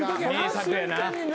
名作やな。